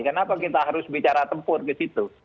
kenapa kita harus bicara tempur disitu